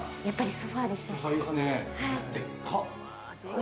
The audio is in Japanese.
やっぱりソファですね。